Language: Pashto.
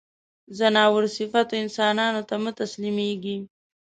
ځناور صفتو انسانانو ته مه تسلیمېږی.